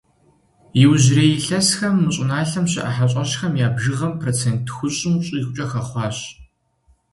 Иужьрей илъэсхэм мы щӀыналъэм щыӀэ хьэщӀэщхэм я бжыгъэм процент тхущӏым щӀигъукӀэ къахэхъуащ.